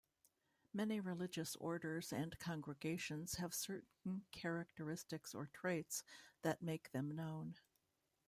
Many religious orders and congregations have certain characteristics or traits that make them known.